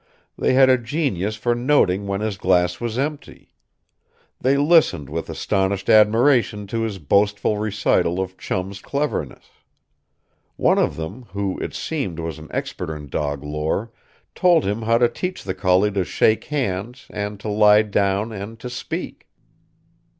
They had a genius for noting when his glass was empty. They listened with astonished admiration to his boastful recital of Chum's cleverness. One of them, who, it seemed, was an expert in dog lore, told him how to teach the collie to shake hands and to lie down and to "speak."